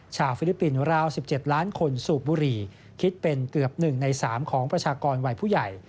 ฟิลิปปินส์ราว๑๗ล้านคนสูบบุหรี่คิดเป็นเกือบ๑ใน๓ของประชากรวัยผู้ใหญ่